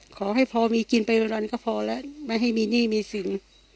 ขอให้พอมีกินไปวันก็พอแล้วไม่ให้มีหนี้มีสิน